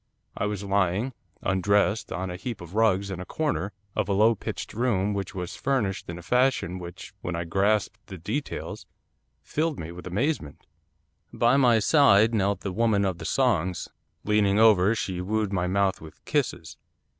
I was lying, undressed, on a heap of rugs in a corner of a low pitched room which was furnished in a fashion which, when I grasped the details, filled me with amazement. By my side knelt the Woman of the Songs. Leaning over, she wooed my mouth with kisses.